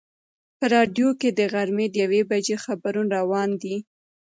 په راډیو کې د غرمې د یوې بجې خبرونه روان دي.